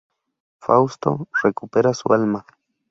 Fausto recupera su alma.